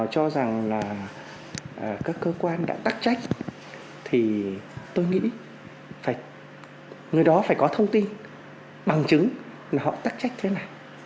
các cơ quan đã tắc trách tôi nghĩ người đó phải có thông tin bằng chứng họ tắc trách thế này